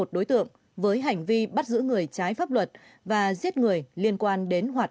dùng những gì đánh